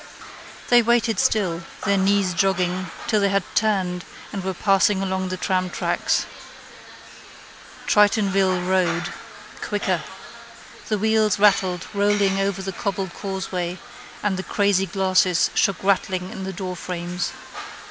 They waited still, their knees jogging, till they had turned and were passing along the tramtracks. Tritonville road. Quicker. The wheels rattled rolling over the cobbled causeway and the crazy glasses shook rattling in the doorframes.